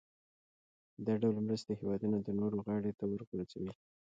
دا ډول مرستې هېوادونه د نورو غاړې ته ورغورځوي.